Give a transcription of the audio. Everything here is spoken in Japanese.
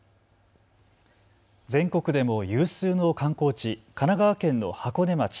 全国でも有数の観光地、神奈川県の箱根町。